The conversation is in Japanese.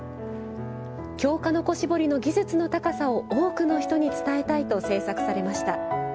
京鹿の子絞りの技術の高さを多くの人に伝えたいと制作されました。